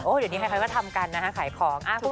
โอ้เดี๋ยวนี้ค่อยก็ทำกันนะฮะขายของ